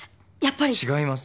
やっぱり。